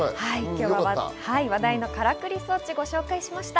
話題のからくり装置をご紹介しました。